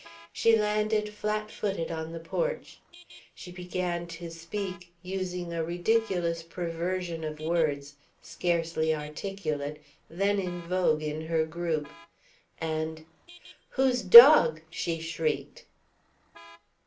She landed flat footed on the porch. She began to speak, using a ridiculous perversion of words, scarcely articulate, then in vogue in her group. And, "Whose dog?" she shrieked.